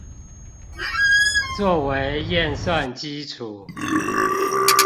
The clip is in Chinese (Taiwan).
做為驗算基礎